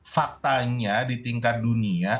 faktanya di tingkat dunia